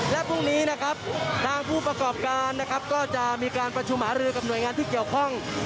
และพรุ่งนี้นะครับทางผู้ประกอบการนะครับก็จะมีการประชุมหารือกับหน่วยงานที่เกี่ยวข้อง